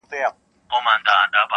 مکتب د میني محبت ومه زه,